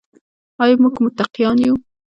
آیا موږ متقیان یو؟